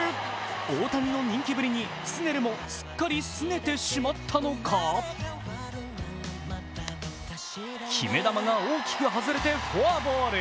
大谷の人気ぶりにスネルもすっかりすねてしまったのか決め球が大きく外れてフォアボール。